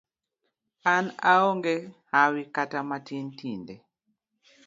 An aonge hawi kata matin tinde.